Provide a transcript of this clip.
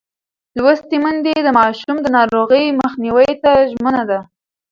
لوستې میندې د ماشوم د ناروغۍ مخنیوي ته ژمنه ده.